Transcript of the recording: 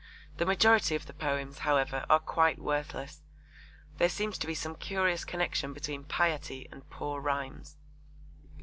The majority of the poems, however, are quite worthless. There seems to be some curious connection between piety and poor rhymes.